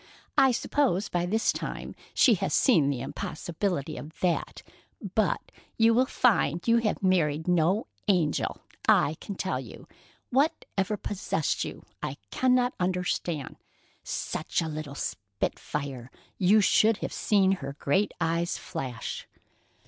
I suppose by this time she has seen the impossibility of that, but you will find you have married no angel, I can tell you. Whatever possessed you, I cannot understand. Such a little spitfire! You should have seen her great eyes flash."